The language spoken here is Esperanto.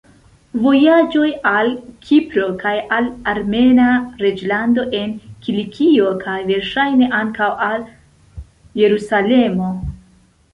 Vojaĝoj al Kipro kaj al Armena reĝlando en Kilikio, kaj verŝajne ankaŭ al Jerusalemo.